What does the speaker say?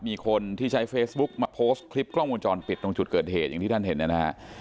มีคนที่ใช้เฟซบุ๊กมาโพสต์คลิปกล้องวงจรปิดตรงจุดเกิดเหตุอย่างที่ท่านเห็นเนี่ยนะฮะ